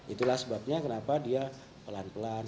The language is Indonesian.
itulah sebabnya kenapa dia pelan pelan